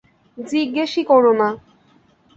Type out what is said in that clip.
জিজ্ঞেসই কোরো না।